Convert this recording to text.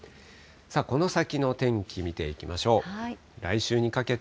この先の天気、見ていきましょう。